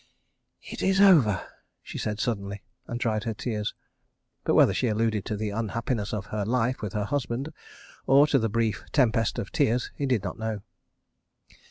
... "It is over," she said suddenly, and dried her tears; but whether she alluded to the unhappiness of her life with her husband, or to her brief tempest of tears, he did not know.